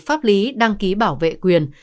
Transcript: pháp lý đăng ký bảo vệ quyền